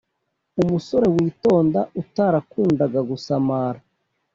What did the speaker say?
umusore witonda utarakundaga gusamara